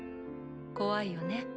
怖いよね。